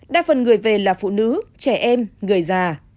đa phần người về là phụ nữ trẻ em người già